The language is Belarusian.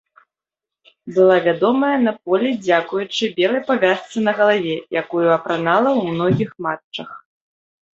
Была вядомая на поле дзякуючы белай павязцы на галаве, якую апранала ў многіх матчах.